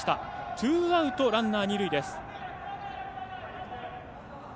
ツーアウト、ランナー、二塁です。